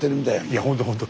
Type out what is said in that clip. いやほんとほんと。